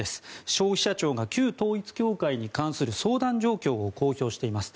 消費者庁が旧統一教会に関する相談状況を公表しています。